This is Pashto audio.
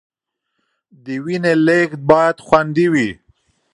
د وینې لیږد باید خوندي وي.